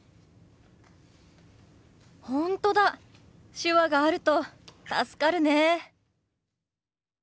手話があると助かるね。